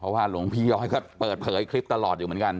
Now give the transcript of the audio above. ว่าหลวงพี่ย้อยก็เปิดเผยคลิปตลอดอยู่เหมือนกัน